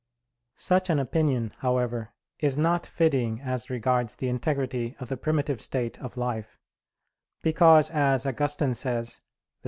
Such an opinion, however, is not fitting as regards the integrity of the primitive state of life; because, as Augustine says (De Civ.